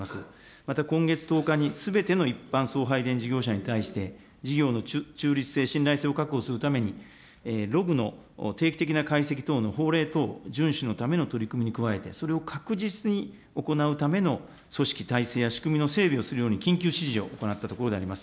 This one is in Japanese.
また今月１０日にすべての一般送配電事業者に対して、事業の中立性、信頼性を確保するために、ログの定期的な解析等の法令等順守のための取り組みに加えて、それを確実に行うための組織体制や仕組みの整備をするように、緊急指示を行ったところであります。